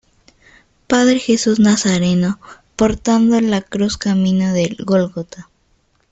Padre Jesús Nazareno, portando la cruz camino del Gólgota.